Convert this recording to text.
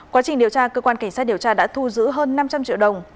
quá trình điều tra cơ quan cảnh sát điều tra đã thu giữ hơn năm trăm linh triệu đồng